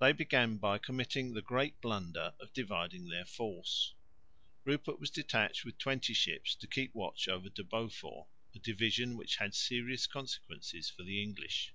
They began by committing the great blunder of dividing their force. Rupert was detached with twenty ships to keep watch over de Beaufort, a diversion which had serious consequences for the English.